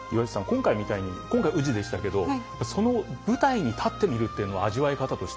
今回みたいに今回宇治でしたけどその舞台に立ってみるっていうのは味わい方として楽しいですね。